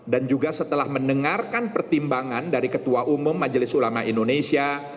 dan juga setelah mendengarkan pertimbangan dari ketua umum majelis ulama indonesia